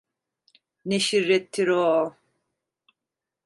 Ne şirrettir o…